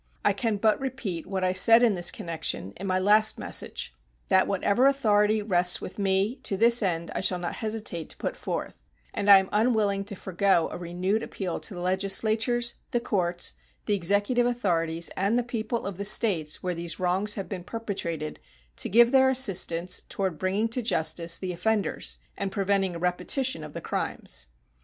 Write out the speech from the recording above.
I can but repeat what I said in this connection in my last message, that whatever authority rests with me to this end I shall not hesitate to put forth; and I am unwilling to forego a renewed appeal to the legislatures, the courts, the executive authorities, and the people of the States where these wrongs have been perpetrated to give their assistance toward bringing to justice the offenders and preventing a repetition of the crimes.